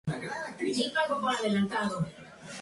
Esta fórmula se puede demostrar por inducción.